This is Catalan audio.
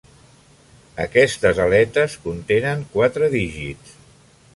Aquestes aletes contenen quatre dígits.